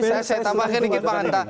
saya tambahkan sedikit pak hanta